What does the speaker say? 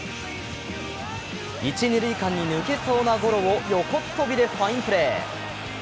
一・二塁間に抜けそうなゴロを横っ飛びでファインプレー。